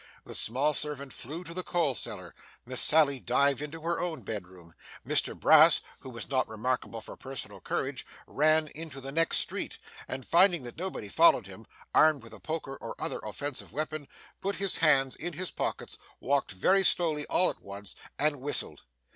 The small servant flew to the coal cellar; Miss Sally dived into her own bed room; Mr Brass, who was not remarkable for personal courage, ran into the next street, and finding that nobody followed him, armed with a poker or other offensive weapon, put his hands in his pockets, walked very slowly all at once, and whistled.